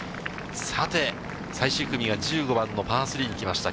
さて、最終組は１５番のパー３に来ました。